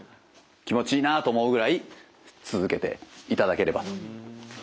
気持ちいいなと思うぐらい続けていただければと思います。